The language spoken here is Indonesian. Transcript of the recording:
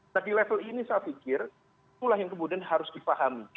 nah di level ini saya pikir itulah yang kemudian harus dipahami